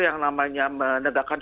yang namanya menegakkan